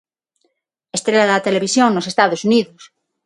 Estrela da televisión nos Estados Unidos.